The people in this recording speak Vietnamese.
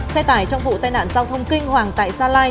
xe tải trong vụ tai nạn giao thông kinh hoàng tại gia lai